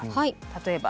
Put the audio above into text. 例えば。